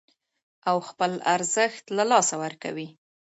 او خپل ارزښت له لاسه ورکوي